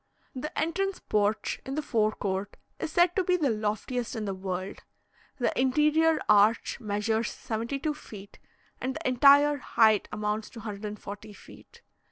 The entrance porch in the fore court is said to be the loftiest in the world. The interior arch measures 72 feet, and the entire height amounts to 140 feet.